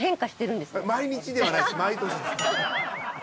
毎日ではないです毎年です。